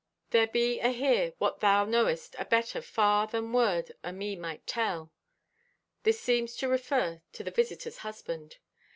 There be ahere what thou knowest abetter far than word o' me might tell. (This seems to refer to the visitor's husband.)